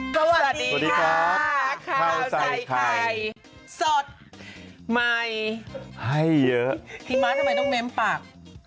สวัสดีค่ะข้าวใส่ไข่สดใหม่ให้เยอะพี่ม้าทำไมต้องเน้นปาก